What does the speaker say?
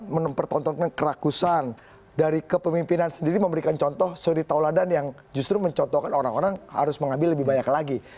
menempertontonkan keragusan dari kepemimpinan sendiri memberikan contoh soritola dan yang justru mencontohkan orang orang harus mengambil lebih banyak lagi